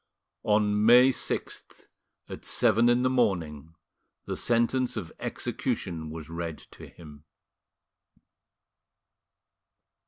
On May 6th, at seven in the morning, the sentence of execution was read to him.